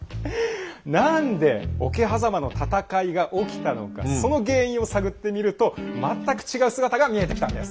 何で桶狭間の戦いが起きたのかその原因を探ってみると全く違う姿が見えてきたんです。